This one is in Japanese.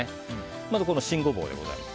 まず、新ゴボウでございます。